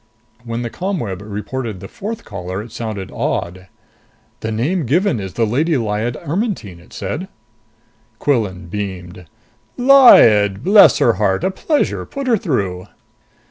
When the ComWeb reported the fourth caller, it sounded awed. "The name given is the Lady Lyad Ermetyne!" it said. Quillan beamed. "Lyad? Bless her heart! A pleasure. Put her through."